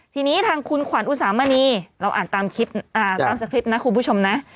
ทีนี้ทางคุณขวัญอุสามณีเราอ่านตามคลิปตามสคริปต์นะคุณผู้ชมนะ